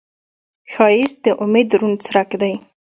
ښایست د امید روڼ څرک دی